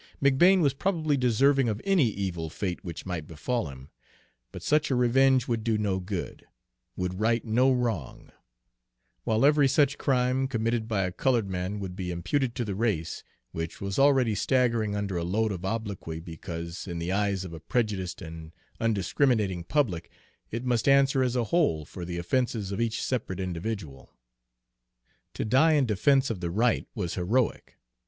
McBane was probably deserving of any evil fate which might befall him; but such a revenge would do no good, would right no wrong; while every such crime, committed by a colored man, would be imputed to the race, which was already staggering under a load of obloquy because, in the eyes of a prejudiced and undiscriminating public, it must answer as a whole for the offenses of each separate individual. To die in defense of the right was heroic.